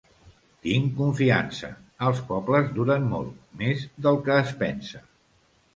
Tinc confiança: els pobles duren molt, més del que es pensa.